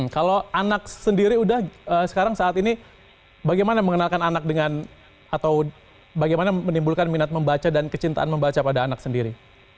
kalau anak sendiri udah sekarang saat ini bagaimana mengenalkan anak dengan atau bagaimana menimbulkan minat membaca dan kecintaan membaca pada anak sendiri